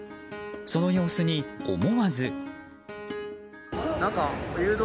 その様子に思わず。